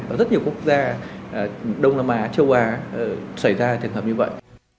mà rất nhiều quốc gia đông nam á châu á xảy ra thường hợp như vậy